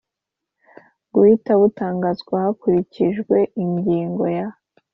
guhita butangazwa hakurikijwe ingingo ya